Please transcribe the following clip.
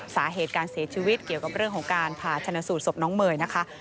สาเหตุการเสียชีวิตเกี่ยวกับเรื่องของการผ่าชนะสูตรศพน้องเมย์นะคะ